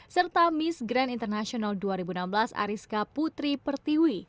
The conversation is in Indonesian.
serta miss grand international dua ribu enam belas ariska putri pertiwi